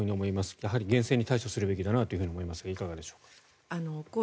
やはり厳正に対処するべきだなと思いますが、いかがでしょう。